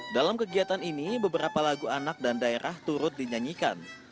dalam kegiatan ini beberapa lagu anak dan daerah turut dinyanyikan